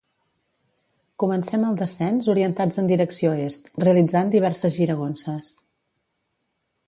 Comencem el descens orientats en direcció est, realitzant diverses giragonses.